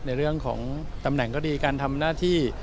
ในเรื่องของตำแหน่งก็ดีการทำหน้าที่